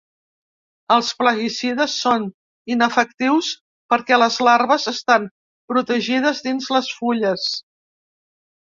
Els plaguicides són inefectius perquè les larves estan protegides dins les fulles.